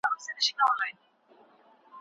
څنګه قاچاقبران له خلګو ګټه اخلي؟